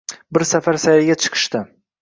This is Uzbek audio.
Bir safar sayrga chiqishdi